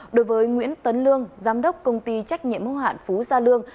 đối với nguyễn tấn lương giám đốc công ty trách nhiệm mô hạn phú gia lương